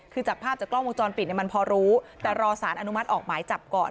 คือจากภาพจากกล้องวงจรปิดเนี่ยมันพอรู้แต่รอสารอนุมัติออกหมายจับก่อน